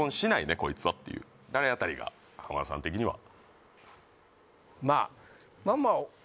こいつはっていう誰あたりが浜田さん的にはまあまあまあ